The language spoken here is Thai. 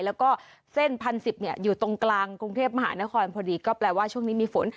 แล้วก็เส้น๑๐๑๐อยู่ตรงกลางกรุงเทพมหานครพอดีก็แปลว่าช่วงนี้มีฝน